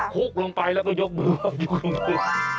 คุกลงไปแล้วก็ยกมือลงไป